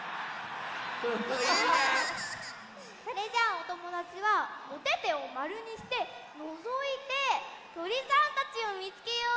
それじゃあおともだちはおててをまるにしてのぞいてとりさんたちをみつけよう！